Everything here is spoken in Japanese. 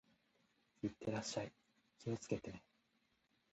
行ってらっしゃい。気をつけてね。